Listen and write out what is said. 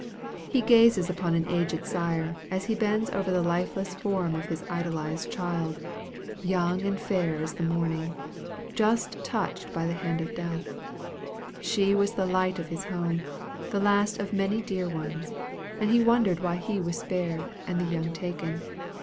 He gazes upon an aged sire, as he bends over the lifeless form of his idolized child, young and fair as the morning, just touched by the hand of death; she was the light of his home, the last of many dear ones; and he wondered why he was spared, and the young taken.